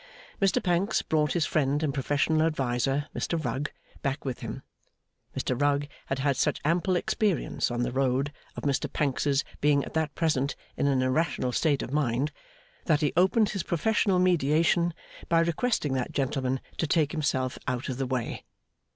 Mr Pancks brought his friend and professional adviser, Mr Rugg, back with him. Mr Rugg had had such ample experience, on the road, of Mr Pancks's being at that present in an irrational state of mind, that he opened his professional mediation by requesting that gentleman to take himself out of the way.